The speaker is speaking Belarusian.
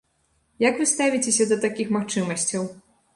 Як вы ставіцеся да такіх магчымасцяў?